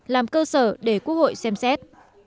làm cơ sở để quốc hội xem xét